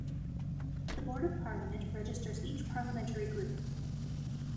The board of parliament registers each parliamentary group.